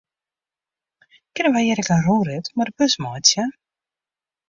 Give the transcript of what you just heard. Kinne wy hjir ek in rûnrit mei de bus meitsje?